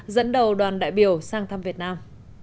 dẫn đầu đoàn đại biểu sang thăm việt nam